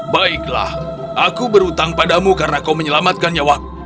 baiklah aku berhutang padamu karena kau menyelamatkan nyawa